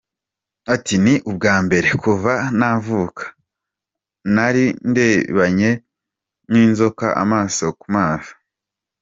Ati “Ni ubwa mbere kuva navuka nari ndebanye n’inzoka amaso ku maso.